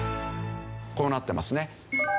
こうなってますね。